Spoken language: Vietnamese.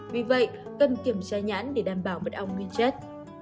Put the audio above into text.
vì vậy cần kiểm tra nhãn để đảm bảo mật ong nguyên chất